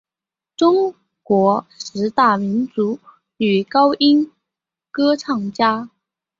中国十大民族女高音歌唱家。